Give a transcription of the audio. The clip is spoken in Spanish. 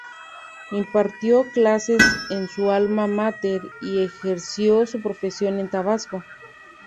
Impartió clases en su alma máter y ejerció su profesión en Tabasco.